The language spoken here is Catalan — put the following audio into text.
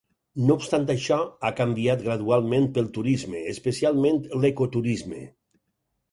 No obstant això, ha canviat gradualment pel turisme, especialment l'ecoturisme.